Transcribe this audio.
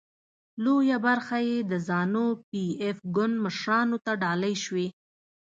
لویه برخه یې د زانو پي ایف ګوند مشرانو ته ډالۍ شوې.